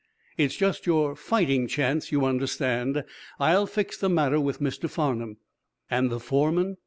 It's just your fighting chance, you understand. I'll fix the matter with Mr. Farnum." "And the foreman?"